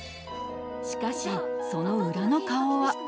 しかしその裏の顔は。